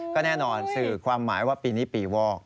ก็แน่นอนสื่อความหมายว่าปีนี้ปีวอก